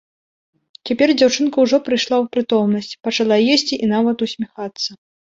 Цяпер дзяўчынка ўжо прыйшла ў прытомнасць, пачала есці і нават усміхацца.